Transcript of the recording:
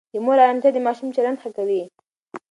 د مور آرامتیا د ماشوم چلند ښه کوي.